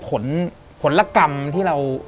ผลละกรรมที่เรา